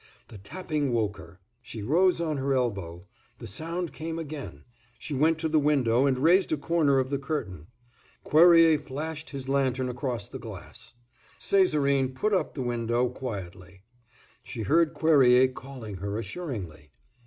The tapping woke her; she rose on her elbow; the sound came again; she went to the window and raised a corner of the curtain. Cuerrier flashed his lantern across the glass. Césarine put up the window quietly. She heard Cuerrier calling her assuringly.